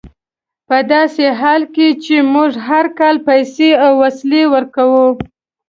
په داسې حال کې چې موږ هر کال پیسې او وسلې ورکوو.